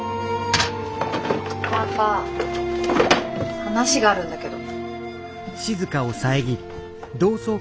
パパ話があるんだけど。